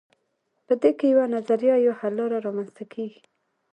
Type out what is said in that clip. په دې کې یوه نظریه یا حل لاره رامیینځته کیږي.